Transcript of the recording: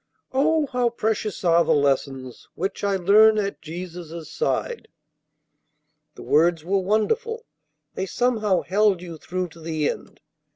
Oh, how precious are the lessons which I learn at Jesus' side!" The words were wonderful. They somehow held you through to the end.